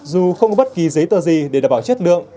dù không có bất kỳ giấy tờ gì để đảm bảo chất lượng